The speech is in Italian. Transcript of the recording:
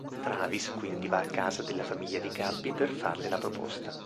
Travis quindi va a casa della famiglia di Gabby per farle la proposta.